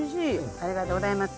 ありがとうございます。